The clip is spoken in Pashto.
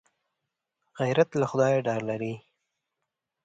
غیرت له خدایه ډار لري